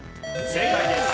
正解です。